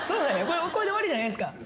これで終わりじゃないんですか？